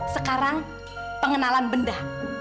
sekarang pengenalan benda